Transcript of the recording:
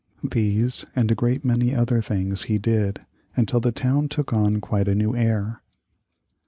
These, and a great many other things he did, until the town took on quite a new air.